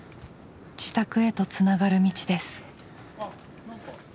自宅へとつながる道です。